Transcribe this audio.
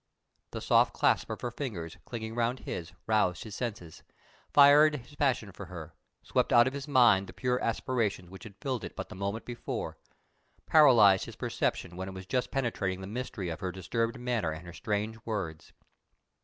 The soft clasp of her fingers, clinging round his, roused his senses, fired his passion for her, swept out of his mind the pure aspirations which had filled it but the moment before, paralyzed his perception when it was just penetrating the mystery of her disturbed manner and her strange words.